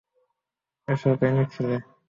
এসো, প্রেমিক ছেলে।